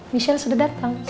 michelle sudah datang